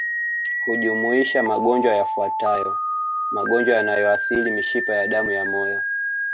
Hujumuisha magonjwa yafuatayo magonjwa yanayoathiri mishipa ya damu ya moyo